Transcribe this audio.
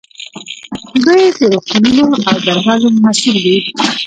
دوی د روغتونونو او درملو مسوول دي.